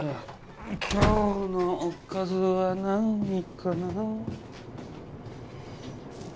今日のおかずはなにかな？